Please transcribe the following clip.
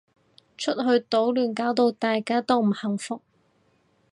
出去搗亂搞到大家都唔幸福